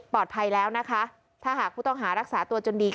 แล้วนะคะถ้าหากผู้ต้องหารักษาตัวจนดี